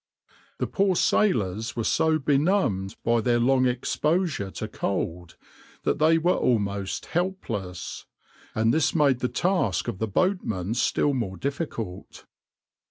The poor sailors were so benumbed by their long exposure to cold that they were almost helpless, and this made the task of the boatmen still more difficult.